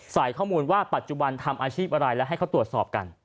ใส่ข้อมูลว่าปัจจุบันทำอาชีพอะไรแล้วให้เขาตรวจสอบกัน